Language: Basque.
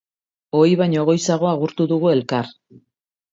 Ohi baino goizago agurtu dugu elkar.